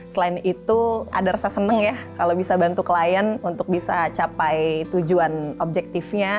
selain itu ada rasa senang ya kalau bisa bantu klien untuk bisa capai tujuan objektifnya